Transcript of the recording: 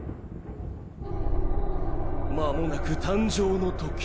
まもなく誕生の時。